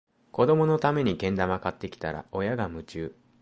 子どものためにけん玉買ってきたら、親が夢中